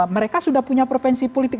mereka sudah punya prevensi politik